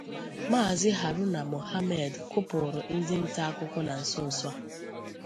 Maazị Haruna Mohammed kụpụụrụ ndị nta akụkọ na nsonso a.